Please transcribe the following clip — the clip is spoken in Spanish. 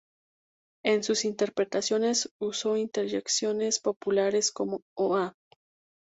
En sus interpretaciones usó interjecciones populares como ""¡Oa!